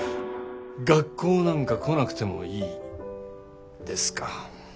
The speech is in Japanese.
「学校なんか来なくてもいい」ですか。